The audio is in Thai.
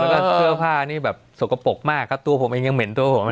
แล้วฟ้านี้แบบสกปรกมากครับตัวผมเองยังเหม็นตัวผม